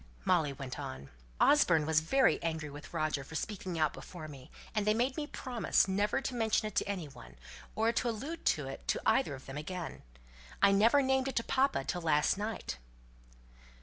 Molly went on: "Osborne was angry with Roger for speaking out before me, and they made me promise never to mention it to any one; or to allude to it to either of them again. I never named it to papa till last night."